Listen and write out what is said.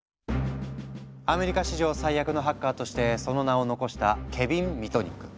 アメリカ史上最悪のハッカーとしてその名を残したケビン・ミトニック。